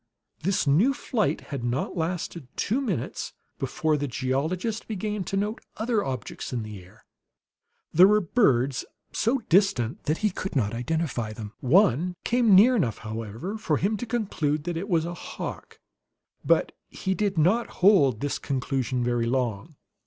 This new flight had not lasted two minutes before the geologist began to note other objects in the air. There were birds, so distant that he could not identify them; one came near enough, however, for him to conclude that it was a hawk. But he did not hold to this conclusion very long.